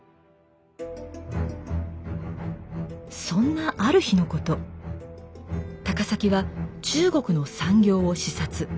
そんなある日のこと高碕は中国の産業を視察。